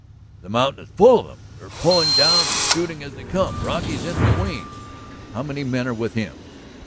"The mountain is full of them. They're pouring down and shooting as they come; Brocky's in between. ..." "How many men are with him?"